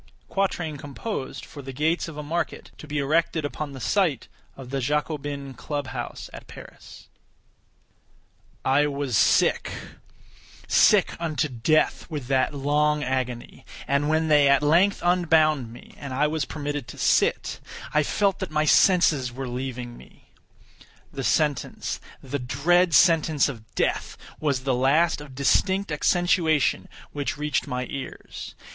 [Quatrain composed for the gates of a market to be erected upon the site of the Jacobin Club House at Paris.] I was sick—sick unto death with that long agony; and when they at length unbound me, and I was permitted to sit, I felt that my senses were leaving me. The sentence—the dread sentence of death—was the last of distinct accentuation which reached my ears.